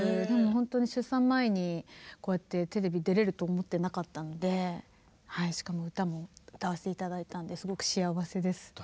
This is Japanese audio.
でもほんとに出産前にこうやってテレビ出れると思ってなかったのではいしかも歌も歌わせて頂いたんですごく幸せです。